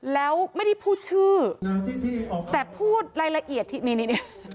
แล้วไม่ได้พูดชื่อแต่พูดรายละเอียดที่นี่